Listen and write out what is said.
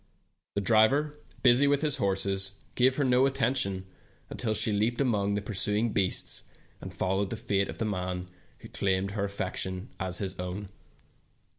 The driver, busy with his horses, gave her no attention until she leaped among the pursuing beasts, and followed the fate of the man who claimed her affection as his own.